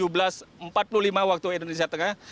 pada pukul tujuh belas empat puluh lima waktu indonesia tengah